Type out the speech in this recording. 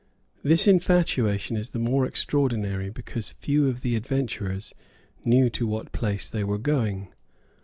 This infatuation is the more extraordinary because few of the adventurers knew to what place they were going.